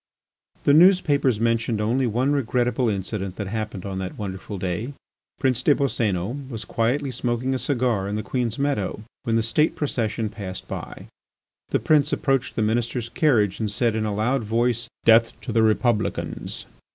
The newspapers mentioned only one regrettable incident that happened on that wonderful day. Prince des Boscénos was quietly smoking a cigar in the Queen's Meadow when the State procession passed by. The prince approached the Minister's carriage and said in a loud voice: "Death to the Republicans!"